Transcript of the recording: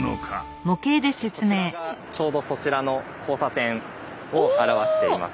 こちらがちょうどそちらの交差点を表しています。